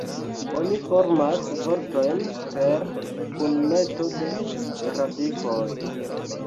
Oni formas vortojn per kunmeto de radikoj.